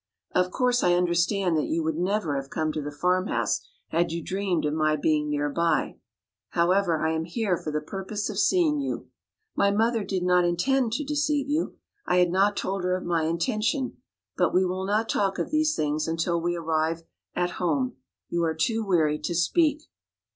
Of course, I understand that you would never have come to the farmhouse had you dreamed of my being nearby. However, I am here for the purpose of seeing you. My mother did not intend to deceive you; I had not told her of my intention. But we will not talk of these things until we arrive at home. You are too weary to speak."